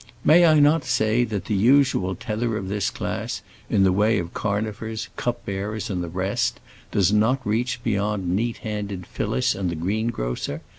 May I not say that the usual tether of this class, in the way of carnifers, cup bearers, and the rest, does not reach beyond neat handed Phyllis and the greengrocer?